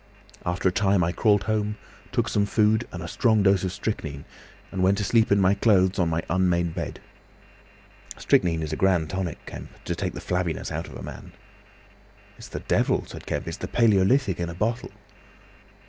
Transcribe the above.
After a time I crawled home, took some food and a strong dose of strychnine, and went to sleep in my clothes on my unmade bed. Strychnine is a grand tonic, Kemp, to take the flabbiness out of a man." "It's the devil," said Kemp. "It's the palaeolithic in a bottle."